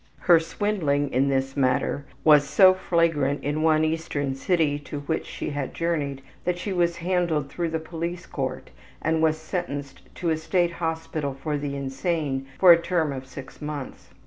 Her swindling in this matter was so flagrant in one eastern city to which she had journeyed that she was handled through the police court and was sentenced to a state hospital for the insane for a term of 6 months.